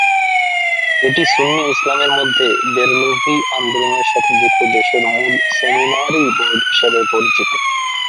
এটি সুন্নি ইসলামের মধ্যে বেরলভী আন্দোলনের সাথে যুক্ত দেশের মূল সেমিনারি বোর্ড হিসাবে পরিচিত।